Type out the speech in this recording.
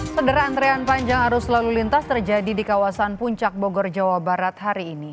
sederah antrean panjang arus lalu lintas terjadi di kawasan puncak bogor jawa barat hari ini